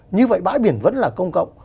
như vậy bãi biển vẫn là công cộng